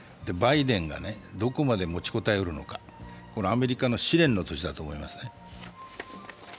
バイデンがどこまで持ちこたえうるのか、アメリカの試練の年だと思いますね。